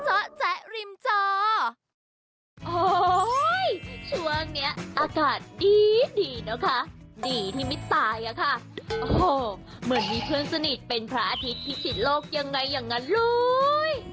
โอ้โหช่วงเนี้ยอากาศดีดีนะคะดีที่ไม่ตายอะค่ะโอ้โหเหมือนมีเพื่อนสนิทเป็นพระอาทิตย์พิษโลกยังไงอย่างนั้นเลย